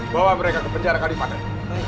bawa mereka ke penjara kalimaten